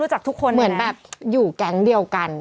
เหมือนแบบอยู่แก๊งเดียวกัน